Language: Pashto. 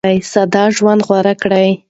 ساده ژوند غوره کړئ.